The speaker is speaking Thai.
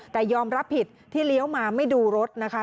แต่ยอมรับผิดที่เลี้ยวมาไม่ดูรถนะคะ